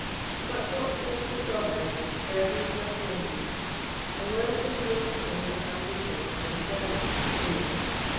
But what sayeth the proverb, verbum sapienti—a word is more to him that hath wisdom than a sermon to a fool.